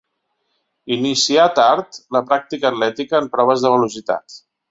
Inicià tard la pràctica atlètica en proves de velocitat.